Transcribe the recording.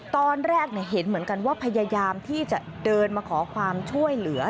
ตอนแรกเห็นเหมือนกันว่าพยายามที่จะเดินมาขอความช่วยเหลือ